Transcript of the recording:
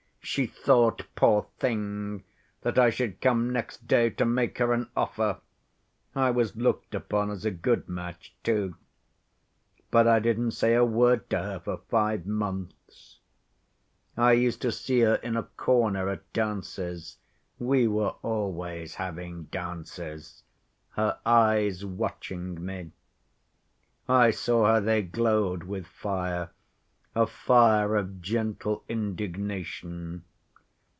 She thought, poor thing, that I should come next day to make her an offer (I was looked upon as a good match, too). But I didn't say a word to her for five months. I used to see her in a corner at dances (we were always having dances), her eyes watching me. I saw how they glowed with fire—a fire of gentle indignation.